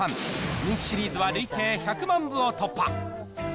人気シリーズは累計１００万部を突破。